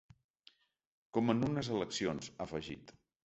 Com en unes eleccions, ha afegit.